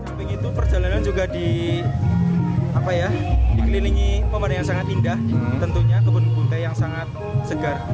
sampai gitu perjalanan juga dikelilingi pemandangan yang sangat indah tentunya kebun teh yang sangat segar